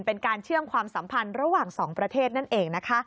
เป็นการเชื่อมความสัมพันธ์ระหว่างสองประเทศนั่นเองนะคะ